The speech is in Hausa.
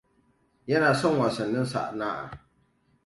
Yana son wasannin sana'a.